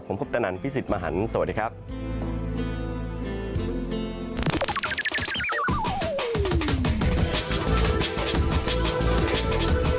ผมคุปตนันพี่สิทธิ์มหันฯสวัสดีครับ